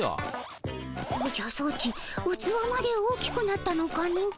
おじゃソチうつわまで大きくなったのかの？